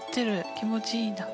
気持ちいいんだ。